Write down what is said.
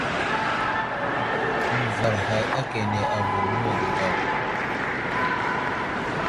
Nəvar ghay akane avər məwege daw.